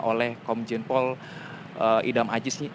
oleh komjen paul idam ajis ini